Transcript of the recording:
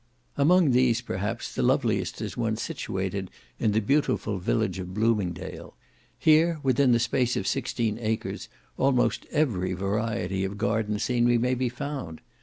Among these, perhaps, the loveliest is one situated in the beautiful village of Bloomingdale; here, within the space of sixteen acres, almost every variety of garden scenery may be found.